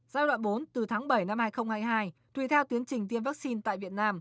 giai đoạn bốn từ tháng bảy năm hai nghìn hai mươi hai tùy theo tiến trình tiêm vaccine tại việt nam